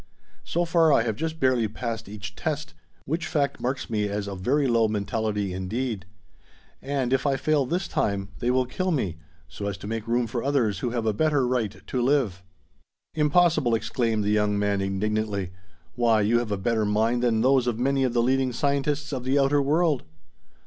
So far, I have just barely passed each test, which fact marks me as of very low mentality indeed. And, if I fail this time, they will kill me, so as to make room for others who have a better right to live." "Impossible!" exclaimed the young man indignantly. "Why, you have a better mind than those of many of the leading scientists of the outer world!"